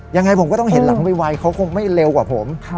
ยังไงผมก็ต้องเห็นหลังไวเขาคงไม่เร็วกว่าผม